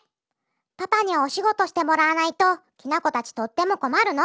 パパにはおしごとしてもらわないときなこたちとってもこまるの！